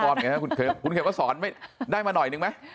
คนนครไงนะคุณเขียนมาสอนได้มาหน่อยนึงไหม